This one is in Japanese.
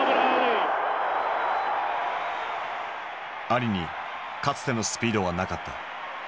アリにかつてのスピードはなかった。